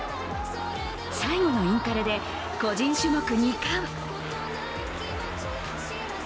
最後のインカレで個人種目２冠。